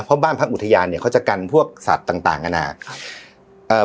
เพราะบ้านพักอุทยานเนี่ยเขาจะกันพวกสัตว์ต่างต่างนานาครับเอ่อ